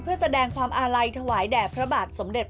เพื่อแสดงความอาลัยถวายแด่พระบาทสมเด็จ